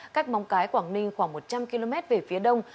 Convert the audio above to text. cách mong cái quảng ninh khoảng một trăm linh km về phía đông